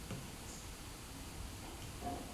Todo es sincero incluso cuando es una locura".